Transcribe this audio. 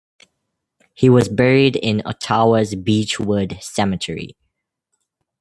He was buried in Ottawa's Beechwood Cemetery.